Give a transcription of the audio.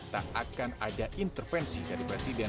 tak akan ada intervensi dari presiden